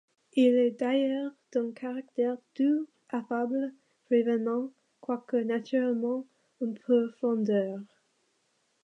Il est d'ailleurs d'un caractère doux, affable, prévenant, quoique naturellement un peu frondeur.